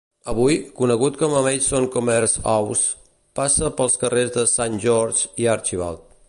Avui, conegut com a Maison Commerce House, passa pels carrers de Saint George i Archibald.